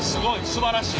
すばらしい！